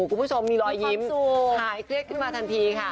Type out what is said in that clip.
คุณผู้ชมมีรอยยิ้มหายเครียดขึ้นมาทันทีค่ะ